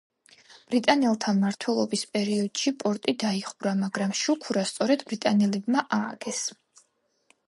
ბრიტანელთა მმართველობის პერიოდში პორტი დაიხურა, მაგრამ შუქურა სწორედ ბრიტანელებმა ააგეს.